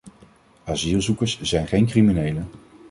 Asielzoekers zijn geen criminelen.